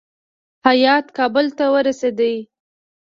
هیات کابل ته ورسېد.